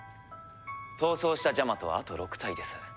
逃走したジャマトはあと６体です。